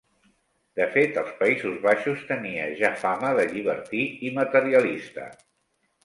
De fet als Països Baixos tenia ja fama de llibertí i materialista.